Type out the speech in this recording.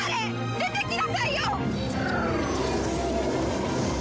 出てきなさいよ！